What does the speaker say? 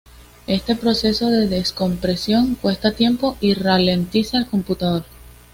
Este proceso de descompresión cuesta tiempo y ralentiza el computador.